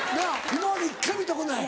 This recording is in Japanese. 今まで一回も行ったことない？